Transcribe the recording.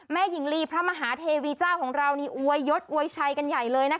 หญิงลีพระมหาเทวีเจ้าของเรานี่อวยยศอวยชัยกันใหญ่เลยนะคะ